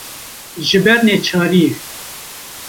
ji ber neçariyê